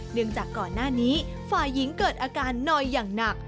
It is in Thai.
จากก่อนหน้านี้ฝ่ายหญิงเกิดอาการนอยอย่างหนัก